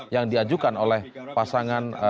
yang diajukan oleh pasangan